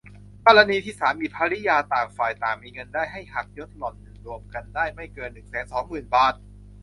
กรณีที่สามีภริยาต่างฝ่ายต่างมีเงินได้ ให้หักลดหย่อนรวมกันได้ไม่เกิน หนึ่งแสนสองหมื่น บาท